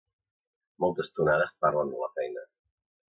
Moltes tonades parlen de la feina